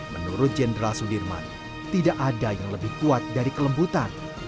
menurut jenderal sudirman tidak ada yang lebih kuat dari kelembutan